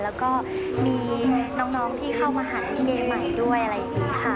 แล้วก็มีน้องที่เข้ามาหาลิเกใหม่ด้วยอะไรอย่างนี้ค่ะ